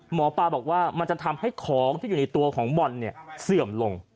หมอปลาบอกว่ามันจะทำให้ของที่อยู่ในตัวของบอลเนี่ยเสื่อมลง